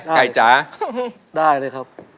ได้เลยครับ